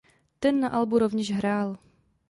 Ten na albu rovněž hrál.